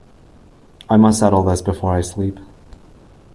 I must settle this before I sleep.